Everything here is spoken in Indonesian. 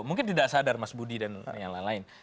mungkin tidak sadar mas budi dan yang lain lain